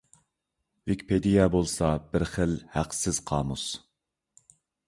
ۋىكىپېدىيە بولسا بىر خىل ھەقسىز قامۇس.